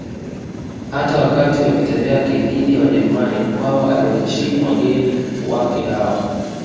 Hata wakati wa vita vyake dhidi ya Wajerumani Mkwawa aliwaheshimu wageni wake hawa